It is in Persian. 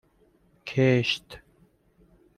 کشت